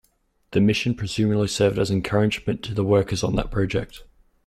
The mission presumably served as encouragement to the workers on that project.